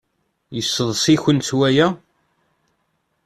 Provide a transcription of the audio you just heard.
Yesseḍs-ikent waya?